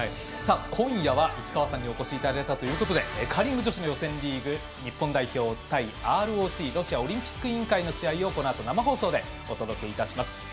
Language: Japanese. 今夜は市川さんにお越しいただいたということでカーリング女子の予選リーグ日本代表対ＲＯＣ＝ロシアオリンピック委員会の試合をこのあと生放送でお届けいたします。